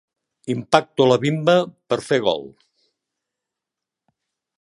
Impacto la bimba per fer gol.